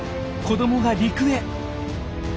子どもが陸へ。